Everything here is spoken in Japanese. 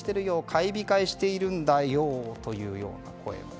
買い控えしているんだよというような声も。